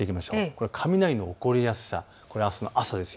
これは雷の起こりやすさ、あすの朝です。